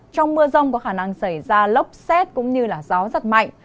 trong mưa rông có khả năng xảy ra lốc xét cũng như gió rất mạnh